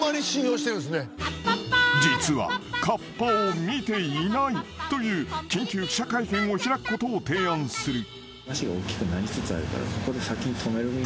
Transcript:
［実はカッパを見ていないという緊急記者会見を開くことを提案する］